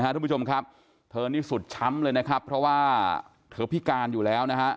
ทุกผู้ชมครับเธอนี่สุดช้ำเลยนะครับเพราะว่าเธอพิการอยู่แล้วนะฮะ